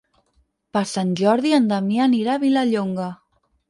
Per Sant Jordi en Damià anirà a Vilallonga.